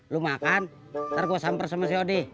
lu makan nanti gue samper sama si odi